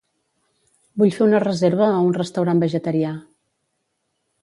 Vull fer una reserva a un restaurant vegetarià.